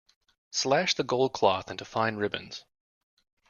Slash the gold cloth into fine ribbons.